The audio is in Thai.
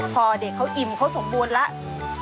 พอเด็กเขาอิ่มเขาสมบูรณ์แล้ว